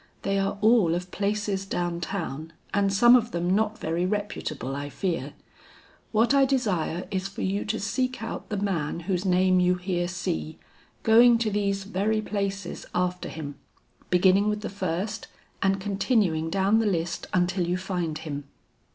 They are all of places down town and some of them not very reputable I fear. What I desire is for you to seek out the man whose name you here see, going to these very places after him, beginning with the first, and continuing down the list until you find him.